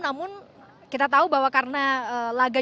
namun kita tahu bahwa karena laga